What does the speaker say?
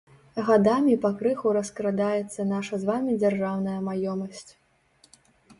Гадамі пакрыху раскрадаецца наша з вамі дзяржаўная маёмасць.